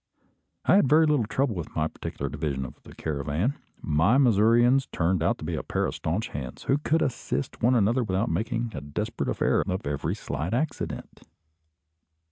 I had very little trouble with my particular division of the caravan. My Missourians turned out to be a pair of staunch hands, who could assist one another without making a desperate affair of every slight accident.